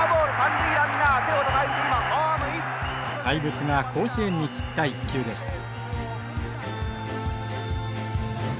怪物が甲子園に散った一球でした。